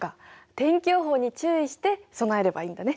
天気予報に注意して備えればいいんだね。